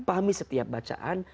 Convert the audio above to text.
pahami setiap bacaan